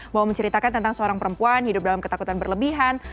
mau menceritakan tentang seorang perempuan hidup dalam ketakutan berlebihan